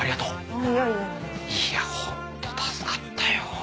いやぁホント助かったよ。